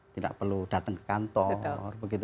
tidak perlu datang ke kantor begitu